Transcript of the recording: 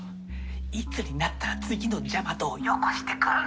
いつになったら次のジャマトをよこしてくるの？